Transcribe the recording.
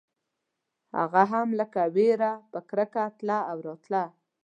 هغه هم لکه وېره په کرکه تله او راتله.